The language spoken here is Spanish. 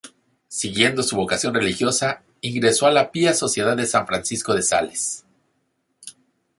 Siguiendo su vocación religiosa, ingresó a la Pía Sociedad de San Francisco de Sales.